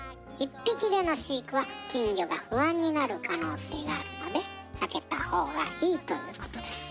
「１匹での飼育」は金魚が不安になる可能性があるので避けた方がいいということです。